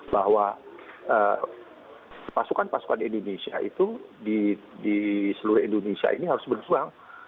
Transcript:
bahwa pasukan pasukan indonesia itu di seluruh indonesia ini harus berjuang